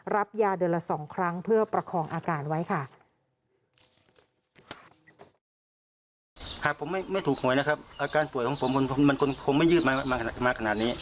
รับยาเดือนละ๒ครั้งเพื่อประคองอาการไว้ค่ะ